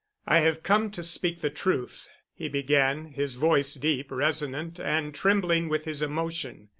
"I have come to speak the truth," he began, his voice deep, resonant and trembling with his emotion.